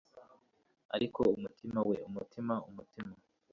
ariko umutima we! umutima! umutima